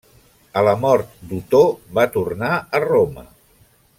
A la mort d'Otó va tornar a Roma.